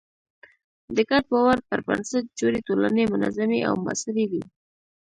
د ګډ باور پر بنسټ جوړې ټولنې منظمې او موثرې وي.